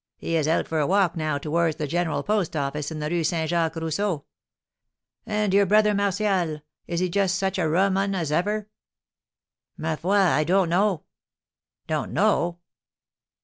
He is out for a walk now towards the General Post office in the Rue St. Jacques Rousseau. And your brother, Martial, is he just such a rum un as ever?" "Ma foi! I don't know." "Don't know?"